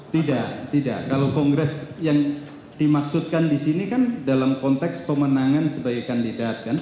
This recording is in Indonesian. tidak tidak kalau kongres yang dimaksudkan di sini kan dalam konteks pemenangan sebagai kandidat kan